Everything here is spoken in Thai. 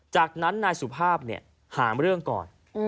จากนั้นนายสุภาพหาเรื่องก่อน